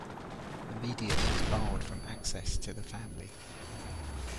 The media was barred from access to the family.